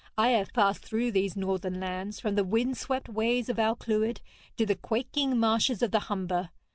I have passed through these northern lands, from the windswept ways of Alclwyd to the quaking marshes of the Humber.